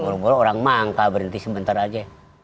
ngulung ngulung orang manggal berhenti sebentar aja